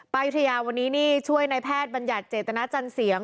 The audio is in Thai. ยุธยาวันนี้นี่ช่วยในแพทย์บัญญัติเจตนาจันเสียง